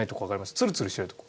ツルツルしてるところ。